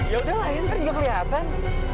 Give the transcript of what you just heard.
yaudah lah nanti juga kelihatan